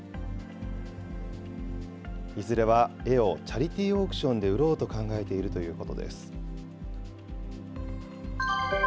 いずれは絵をチャリティーオークションで売ろうと考えているということです。